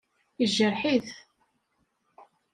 Yejreḥ-it.